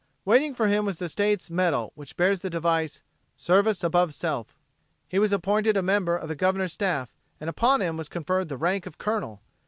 Waiting for him was the state's medal which bears the device "Service Above Self." He was appointed a member of the Governor's staff and upon him was conferred the rank of Colonel.